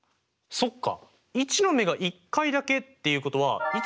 そっか。